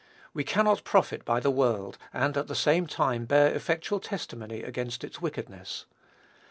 We cannot profit by the world, and at the same time bear effectual testimony against its wickedness.